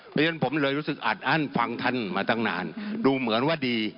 เพราะฉะนั้นผมเลยรู้สึกอัดอั้นฟังท่านมาตั้งนานดูเหมือนว่าดี